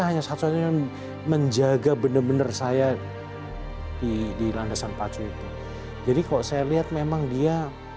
hanya satu satunya menjaga benar benar saya di landasan pacu itu jadi kok saya lihat memang dia